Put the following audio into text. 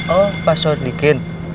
oh pak sodikin